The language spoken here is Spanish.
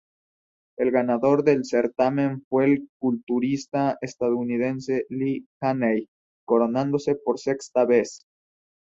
El ganador del certamen fue el culturista estadounidense Lee Haney, coronándose por sexta vez.